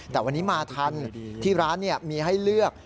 แต่วันนี้มาทันที่ร้านมีให้เลือก